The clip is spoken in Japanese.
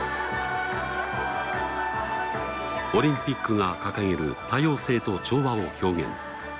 オリンピックが掲げる多様性と調和を表現。